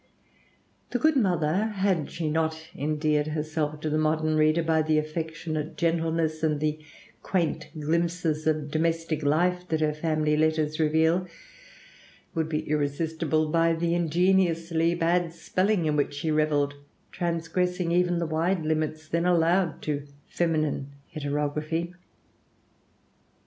The good mother had she not endeared herself to the modern reader by the affectionate gentleness and the quaint glimpses of domestic life that her family letters reveal would be irresistible by the ingeniously bad spelling in which she reveled, transgressing even the wide limits then allowed to feminine heterography.